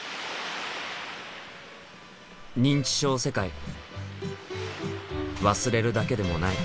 認知症世界忘れるだけでもない。